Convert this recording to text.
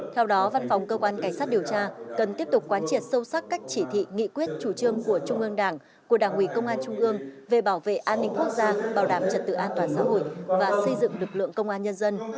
theo đó văn phòng cơ quan cảnh sát điều tra cần tiếp tục quán triệt sâu sắc các chỉ thị nghị quyết chủ trương của trung ương đảng của đảng ủy công an trung ương về bảo vệ an ninh quốc gia bảo đảm trật tự an toàn xã hội và xây dựng lực lượng công an nhân dân